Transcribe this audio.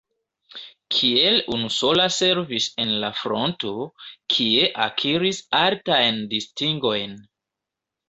Kiel unusola servis en la fronto, kie akiris altajn distingojn.